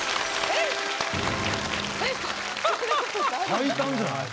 最短じゃない？